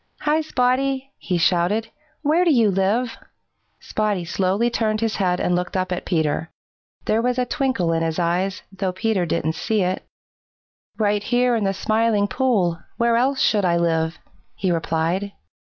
"Hi, Spotty!" he shouted. "Where do you live?" Spotty slowly turned his head and looked up at Peter. There was a twinkle in his eyes, though Peter didn't see it. "Right here in the Smiling Pool. Where else should I live?" he replied.